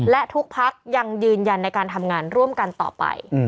และทุกพักยังยืนยันในการทำงานร่วมกันต่อไป